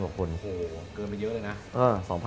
โอ้โหเกินไปเยอะเลยนะ